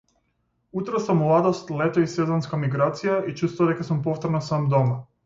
Утра со младост, лето и сезонска миграција, и чувство дека сум повторно сам дома.